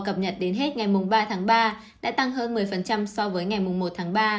cập nhật đến hết ngày ba tháng ba đã tăng hơn một mươi so với ngày một tháng ba